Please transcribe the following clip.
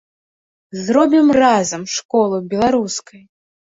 Зробім разам школу беларускай!